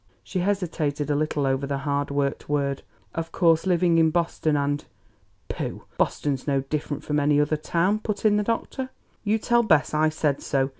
She hesitated a little over the hard worked word. "Of course living in Boston, and " "Pooh! Boston's no different from any other town," put in the doctor. "You tell Bess I said so.